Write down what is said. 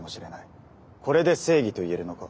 これで正義といえるのか？